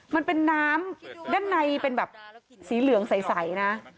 มันเป็นน้ำด้านในเป็นแบบสีเหลืองใสนะ